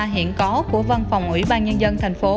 hiện có của văn phòng ủy ban nhân dân thành phố